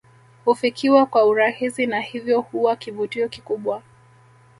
Hufikiwa kwa urahisi na hivyo huwa kivutio kikubwa